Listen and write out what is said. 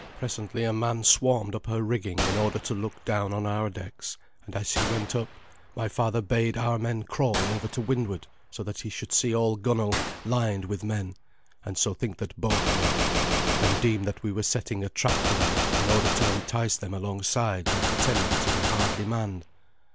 Presently a man swarmed up her rigging in order to look down on our decks, and as he went up, my father bade our men crawl over to windward, so that he should see all one gunwale lined with men, and so think that both were, and deem that we were setting a trap for them in order to entice them alongside by pretending to be hardly manned.